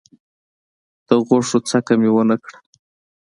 د غوښو څکه مي ونه کړه .